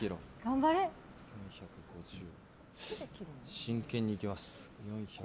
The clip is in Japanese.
真剣に行きます。